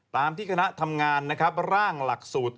ตามที่คณะทำงานร่างหลักสูตร